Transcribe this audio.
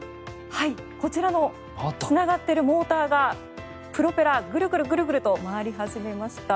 こちらのつながっているモーターがプロペラぐるぐると回り始めました。